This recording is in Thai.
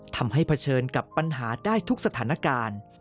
เผชิญกับปัญหาได้ทุกสถานการณ์